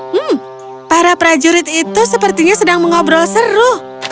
hmm para prajurit itu sepertinya sedang mengobrol seru